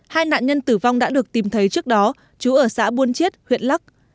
hai nạn nhân tử vong đã được tìm thấy trước đó chú ở xã buôn chiết huyện lắc